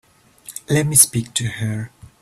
Let me speak to her.